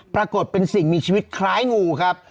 ปรากฏเป็นสิ่งมีชีวิตคล้ายงูครับ